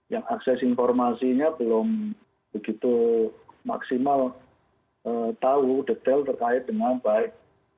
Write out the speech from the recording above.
yang akses informasinya belum begitu maksimal tahu detail terkait dengan baik